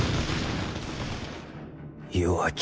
弱き